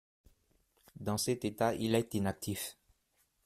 Dans cet état, il est inactif.